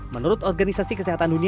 menurut organisasi kesehatan dunia